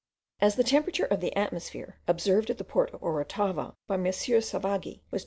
As the temperature of the atmosphere, observed at the port of Orotava by M. Savagi, was 22.